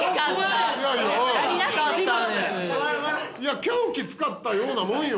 いや禁忌使ったようなもんよ。